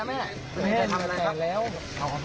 ไม่ทำอะไรไม่อะไร